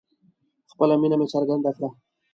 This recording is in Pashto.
خپله مینه مې څرګنده کړه